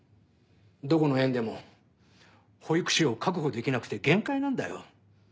どこの園でも保育士を確保できなくて限界なんだよ。